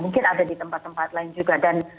mungkin ada di tempat tempat lain juga dan